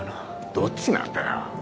どっちなんだよ？